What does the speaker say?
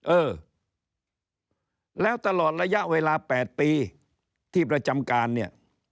เออแล้วตลอดระยะเวลา๘ปีที่ประจำการเนี่ย